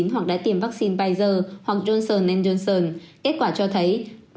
hoặc đã tiêm vaccine pizer hoặc johnson johnson kết quả cho thấy